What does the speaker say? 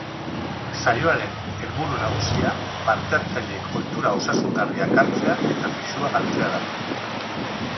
Saioaren helburu nagusia parte-hartzaileek ohitura osasungarriak hartzea eta pisua galtzea da.